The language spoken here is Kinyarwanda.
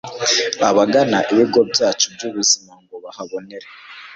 Abagana ibigo byacu byubuzima ngo bahabonere